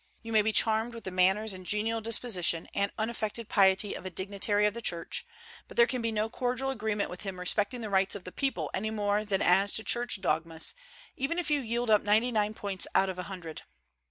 You may be charmed with the manners and genial disposition and unaffected piety of a dignitary of the Church, but there can be no cordial agreement with him respecting the rights of the people any more than as to Church dogmas, even if you yield up ninety nine points out of a hundred.